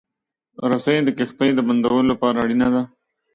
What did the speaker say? رسۍ د کښتۍ د بندولو لپاره اړینه ده.